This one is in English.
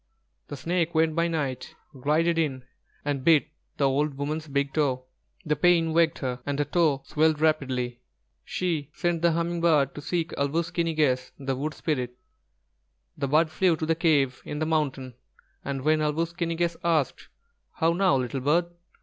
The snake went by night, glided in and bit the old woman's big toe. The pain waked her, and her toe swelled rapidly. She sent the Humming bird to seek Āl wūs ki ni gess, the Wood Spirit. The bird flew to the cave in the mountain, and when Āl wūs ki ni gess asked: "How now, little bird?"